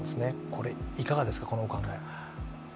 これ、いかがですか、このお考え。